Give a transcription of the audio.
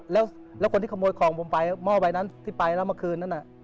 แล้วคนที่ขโมยของผมไปหม้อใบนั้นที่ไปแล้วเมื่อคืนนั้นน่ะ